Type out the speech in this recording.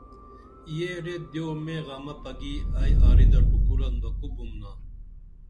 یہ ریت دیو مے غمہ پگِی ائی آرِدہ ٹُکُرن بہ کو بُمنا